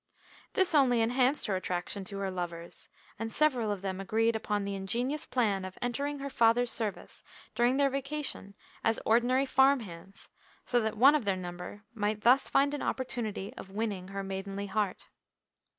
This only enhanced her attraction to her lovers, and several of them agreed upon the ingenious plan of entering her father's service during their vacation as ordinary farm hands, so that one of their number might thus find an opportunity of winning her maidenly heart.